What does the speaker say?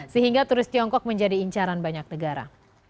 sehingga turis tiongkok menjadi incaran banyak negara